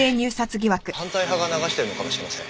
反対派が流してるのかもしれません。